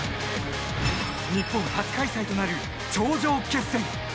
日本初開催となる頂上決戦。